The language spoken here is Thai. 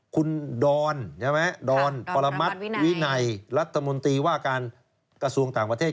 คุณดอนใช่ไหมดอนปรมัติวินัยรัฐมนตรีว่าการกระทรวงต่างประเทศ